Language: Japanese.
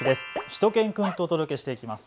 しゅと犬くんとお届けしていきます。